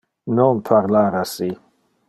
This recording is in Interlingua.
Non parlar assi.